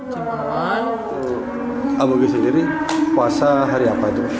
jemaah aboge sendiri puasa hari apa itu